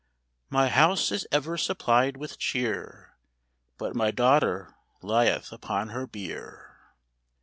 "" My house is ever supplied with cheer. But my daughter lieth upon her bier."